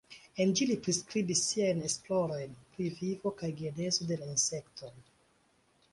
En ĝi li priskribis siajn esplorojn pri vivo kaj genezo de la insektoj.